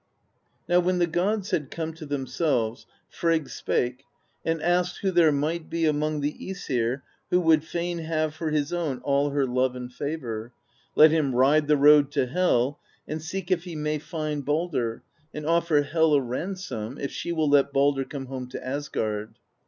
"Now when the gods had come to themselves, Frigg spake, and asked who there might be among the ^Esir who would fain have for his own all her love and favor: let him ride the road to Hel, and seek if he may find Baldr, and ofi^er Hel a ransom if she will let Baldr come home to Asgard.